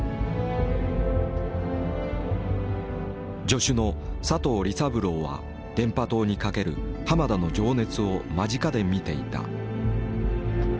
助手の佐藤利三郎は電波塔にかける浜田の情熱を間近で見ていた。